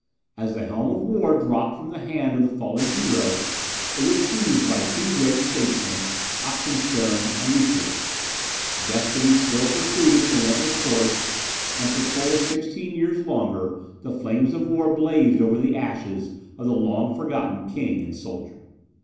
As the helm of war dropped from the hand of the falling hero, it was seized by two great statesmen, Oxenstiern and Richelieu. Destiny still pursued its relentless course, and for full sixteen years longer the flames of war blazed over the ashes of the long forgotten king and soldier.